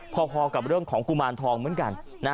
พอกับเรื่องของกุมารทองเหมือนกัน